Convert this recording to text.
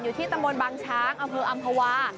อยู่ที่ตะโมนบางช้างอำเภออำภาวะ